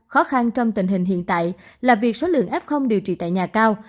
khó khăn trong tình hình hiện tại là việc số lượng f điều trị tại nhà cao